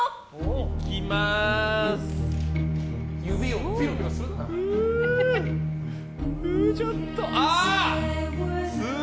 いきまーす！